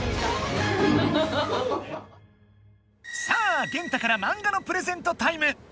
さあゲンタからマンガのプレゼントタイム！